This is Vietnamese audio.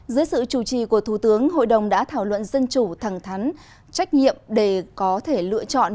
dưới sự chủ trì của thủ tướng hội đồng đã thảo luận dân chủ thẳng thắn trách nhiệm để có thể lựa chọn